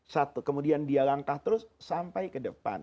satu kemudian dia langkah terus sampai ke depan